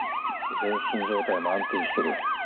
全身状態も安定してる。